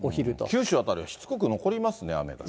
九州辺りはしつこく残りますね、雨がね。